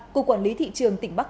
cục quản lý thị trường tỉnh bắc cạn